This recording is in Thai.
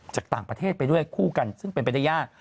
จากต่างประเทศไปด้วยคู่กันซึ่งเป็นไปได้ยาก